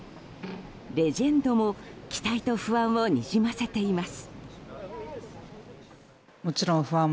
レジェンドも期待と不安をにじませています。